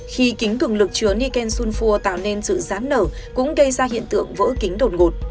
khi kính cường lực chứa niken sulfur tạo nên sự giám nở cũng gây ra hiện tượng vỡ kính đột ngột